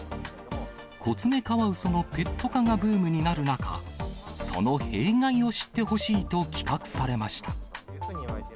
コツメカワウソのペット化がブームになる中、その弊害を知ってほしいと企画されました。